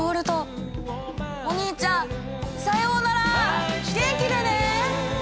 お兄ちゃんさようなら元気でね！